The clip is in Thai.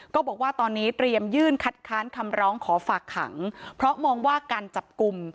ก็บอกว่าตอนนี้เตรียมยื่นคัดค้านคำร้องขอฝากขังเพราะมองว่าการจับกลุ่ม